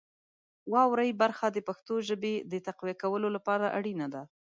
واورئ برخه د پښتو ژبې د تقویه کولو لپاره اړینه ده.